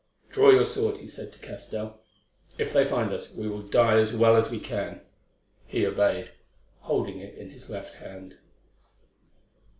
"Draw your sword," he said to Castell. "If they find us, we will die as well as we can." He obeyed, holding it in his left hand.